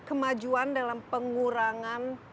kemajuan dalam pengurangan